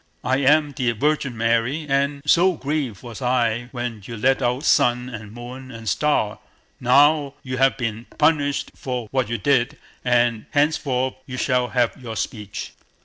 I am the Virgin Mary, and so grieved as you have been, so grieved was I when you let out sun, and moon, and star. Now you have been punished for what you did, and henceforth you shall have your speech."